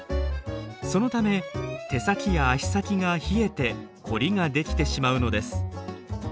そのため手先や足先が冷えてコリが出来てしまうのです。